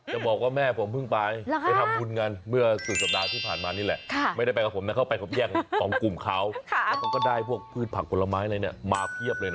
จะบอกว่าแม่ผมเพิ่งไปไปทำบุญงานสี่สัปดาห์ที่ผ่านมา